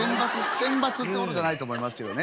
選抜ってことじゃないと思いますけどね。